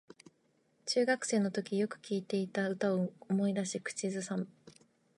中学生のときによく聴いていた歌を思い出し口ずさむ